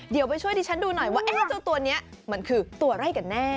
เดี๋ยวไปช่วยดิฉันดูหน่อยว่าเจ้าตัวนี้มันคือตัวไร่กันแน่